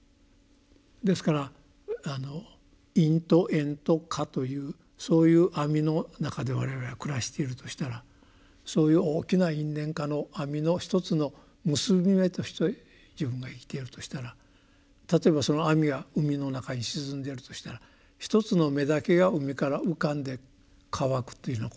ですから「因」と「縁」と「果」というそういう網の中で我々は暮らしているとしたらそういう大きな「因」「縁」「果」の網の一つの結び目として自分が生きているとしたら例えばその網が海の中に沈んでるとしたら一つの目だけが海から浮かんで乾くというようなことはあるかもしれないと。